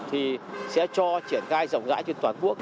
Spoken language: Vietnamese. thì sẽ cho triển khai rộng rãi trên toàn quốc